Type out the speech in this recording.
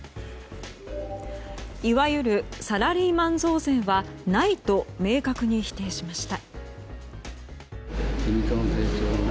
いわゆるサラリーマン増税はないと明確に否定しました。